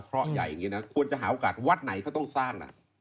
ควรจะหาโอกาสวัดไหนเขาต้องสร้าง